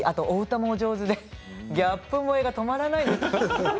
お歌もお上手でギャップ萌えが止まらないです。